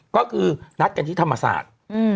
ก็คือนัดกันที่ธรรมศาสตร์